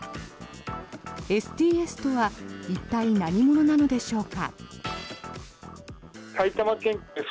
ＳＴＳとは一体、何者なのでしょうか。